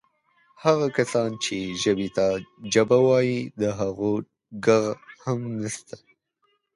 هغه کسان چې ژبې ته جبه وایي د هغو ږغ هم نسته.